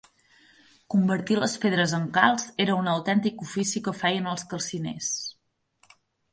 Convertir les pedres en calç era un autèntic ofici que feien els calciners.